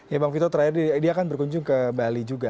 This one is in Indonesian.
ya bang vito terakhir dia akan berkunjung ke bali juga